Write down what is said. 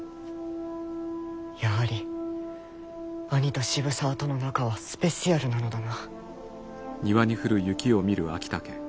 やはり兄と渋沢との仲はスペシアルなのだな。